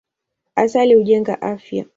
Asali hujenga afya.